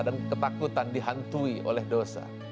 dan ketakutan dihantui oleh dosa